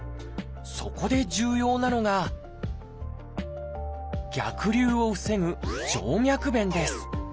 そこで重要なのが逆流を防ぐ「静脈弁」です。